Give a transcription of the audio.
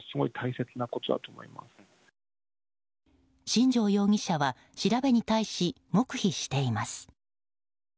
新城容疑者は調べに対し黙秘しています。